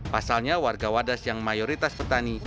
pasalnya warga wadas yang mayoritas petani